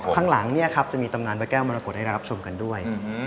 ข้างหลังจะมีตำนานพระแก้วมรกตให้รับชมกันด้วย